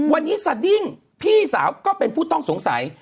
วันนี้สดิ้งพี่สาวก็เป็นผู้ต้องสงสัย